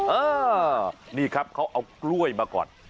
เออนี่ครับเขาเอากล้วยมาก่อน